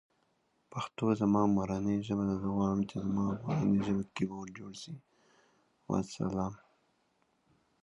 نن ورځ موږ هم بايد له معارف سره مرسته وکړو.